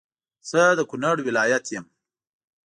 زه د کونړ ولایت يم